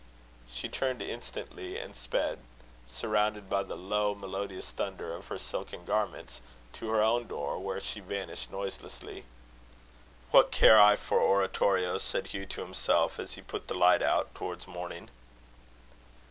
She turned instantly, and sped surrounded by the "low melodious thunder" of her silken garments to her own door, where she vanished noiselessly. "What care I for oratorios?" said Hugh to himself, as he put the light out, towards morning.